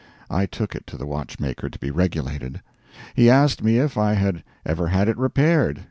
I took it to the watchmaker to be regulated. He asked me if I had ever had it repaired.